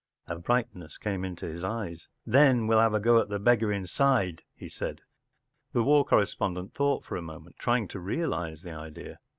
” A brightness came into his eyes. “Then we'll have a go at the beggar inside,” he said. ... The war correspondent thought for a moment, trying to realize the idea.